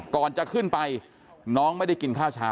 ก่อนจะขึ้นไปน้องไม่ได้กินข้าวเช้า